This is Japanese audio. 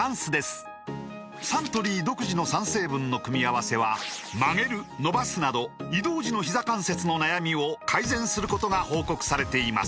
サントリー独自の３成分の組み合わせは曲げる伸ばすなど移動時のひざ関節の悩みを改善することが報告されています